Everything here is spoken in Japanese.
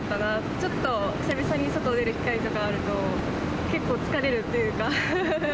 ちょっと久々に外出る機会とかあると、結構疲れるというか。